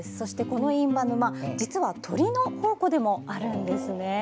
この印旛沼、実は鳥の宝庫でもあるんですね。